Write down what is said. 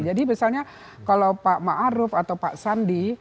jadi misalnya kalau pak ma'aruf atau pak sandi